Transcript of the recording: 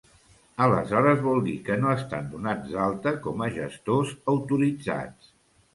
Aleshores vol dir que no estan donats d'alta com a gestors autoritzats.